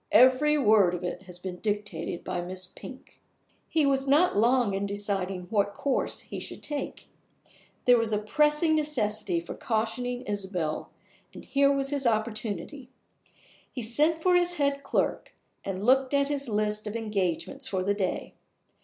"Every word of it has been dictated by Miss Pink." He was not long in deciding what course he should take. There was a pressing necessity for cautioning Isabel, and here was his opportunity. He sent for his head clerk, and looked at his list of engagements for the day.